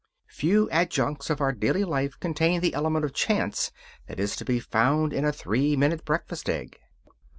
Few adjuncts of our daily life contain the element of chance that is to be found in a three minute breakfast egg.